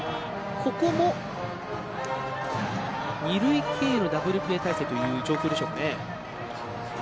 ここも二塁経由のダブルプレー態勢ということでしょうかね。